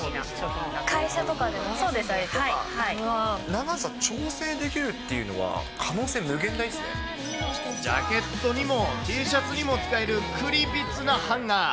長さ調整できるっていうのは、可能性、ジャケットにもＴシャツにも使えるクリビツなハンガー。